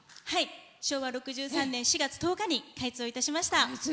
昭和６３年４月１０日に開通をいたしました。